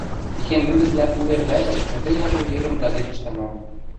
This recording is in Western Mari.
Техень лӱдӹшлӓ увер вӓреш чоте яжо уверӹм газетӹштӹ мом.